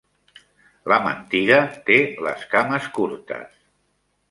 La mentida té les cames curtes